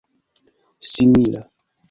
simila